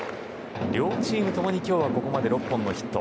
両チーム共に今日はここまで６本のヒット。